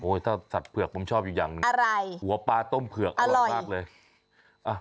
ถ้าสัตว์เผือกผมชอบอยู่อย่างหนึ่งอะไรหัวปลาต้มเผือกอร่อยมากเลยอ่ะ